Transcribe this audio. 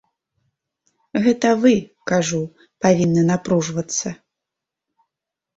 Гэта вы, кажу, павінны напружвацца.